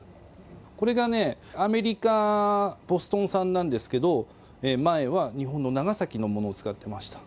これが、アメリカ・ボストン産なんですけど、前は日本の長崎のものを使ってました。